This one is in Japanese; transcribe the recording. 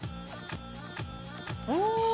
うん。